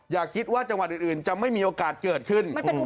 อย่าคิดว่าจังหวัดอื่นจะไม่มีโอกาสเกิดขึ้น